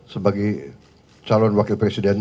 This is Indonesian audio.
sebagai calon wakil presiden